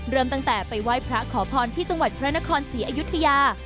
เริ่มตั้งแต่ไปไหว้พระขอพรที่จังหวัดพระนครศรีอยุธยา